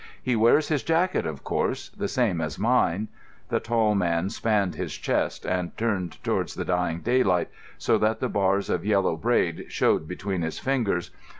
He wears his jacket, of course—the same as mine." The tall man spanned his chest and turned towards the dying daylight, so that the bars of yellow braid showed between his fingers.